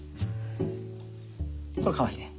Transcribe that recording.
これかわいいね。